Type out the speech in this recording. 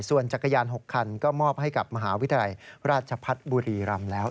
ส่วนจักรยาน๖คันก็มอบให้กับมหาวิทยาลัยราชพัฒน์บุรีรำแล้ว